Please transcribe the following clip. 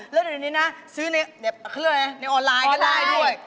แล้วเดี๋ยวนี้นะซื้อในออนไลน์ก็ได้ด้วย